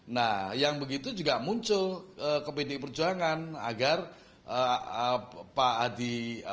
nah yang begitu juga muncul ke pdi perjuangan agar pak adi